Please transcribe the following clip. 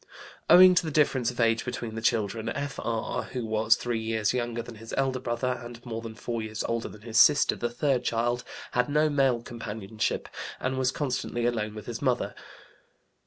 Owing to the difference of age between the children, F.R. (who was three years younger than his elder brother, and more than four years older than his sister, the third child) had no male companionship and was constantly alone with his mother.